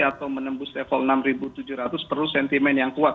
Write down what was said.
atau menembus level enam tujuh ratus perlu sentimen yang kuat